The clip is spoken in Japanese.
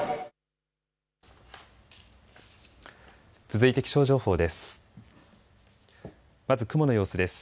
続いて気象情報です。